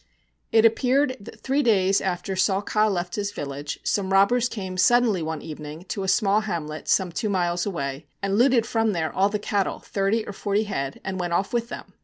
It appeared that three days after Saw Ka left his village, some robbers came suddenly one evening to a small hamlet some two miles away and looted from there all the cattle, thirty or forty head, and went off with them.